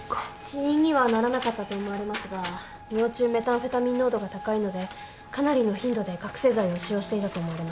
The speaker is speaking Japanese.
死因にはならなかったと思われますが尿中メタンフェタミン濃度が高いのでかなりの頻度で覚醒剤を使用していたと思われます